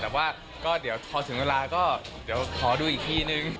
แต่ว่าก็เดี๋ยวพอถึงเวลาก็เดี๋ยวขอดูอีกทีนึง